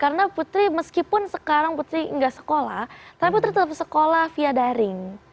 jadi kita putri meskipun sekarang putri nggak sekolah tapi putri tetap sekolah via daring